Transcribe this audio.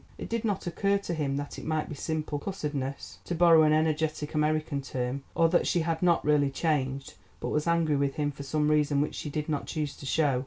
It did not occur to him that it might be simple "cussedness," to borrow an energetic American term, or that she had not really changed, but was angry with him for some reason which she did not choose to show.